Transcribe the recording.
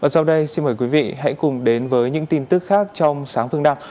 sau đây xin mời quý vị hãy cùng đến với những tin tức khác trong sáng phương nam